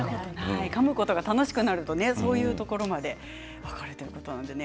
かむことが楽しくなるとそういうことまで分かるんですね。